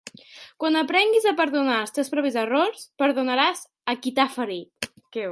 Quan aprengues a perdonar els teus propis errors, perdonaràs el qui t'ha ferit.